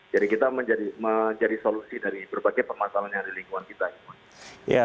jadi kita menjadi solusi dari berbagai permasalahan yang ada di lingkungan kita